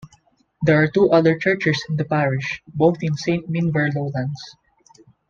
There are two other churches in the parish, both in Saint Minver Lowlands.